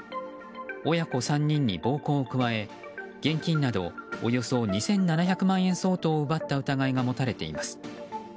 親子３人に暴行を加え、現金などおよそ２７００万円相当を奪った疑いが持たれています。